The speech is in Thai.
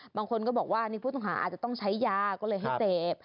บางคนก็บอกว่านี่ผู้ต้องหาอาจจะต้องใช้ยาก็เลยให้เสพ